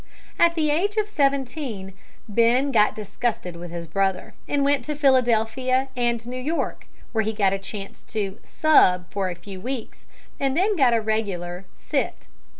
At the age of seventeen Ben got disgusted with his brother, and went to Philadelphia and New York, where he got a chance to "sub" for a few weeks and then got a regular "sit."